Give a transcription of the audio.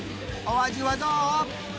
お味はどう？